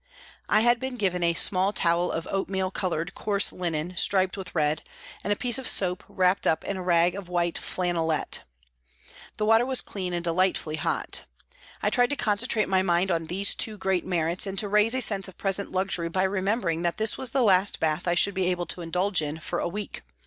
I had been given a small towel of oatmeal coloured coarse linen striped with red, and a piece of soap wrapped up in a rag of white flannelette. The water was clean and delightfully hot. I tried to concentrate my mind on these two great merits and to raise a sense of present luxury by remembering that this was the last bath I should be able to indulge in for a week.